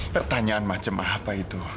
pertanyaan macam apa itu